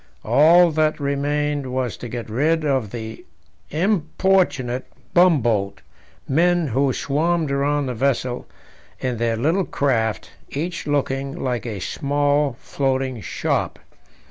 All that remained was to get rid of the importunate bumboat men who swarmed round the vessel in their little craft, each looking like a small floating shop.